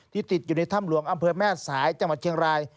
ติดอยู่ในถ้ำหลวงอำเภอแม่สายจังหวัดเชียงราย